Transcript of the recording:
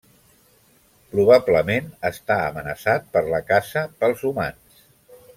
Probablement està amenaçat per la caça pels humans.